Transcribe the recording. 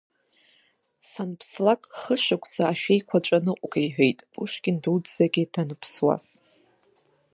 Санԥслак хы-шықәса ашәеиқәаҵәа ныҟәга, — иҳәеит Пушкин дуӡӡагьы данԥсуаз.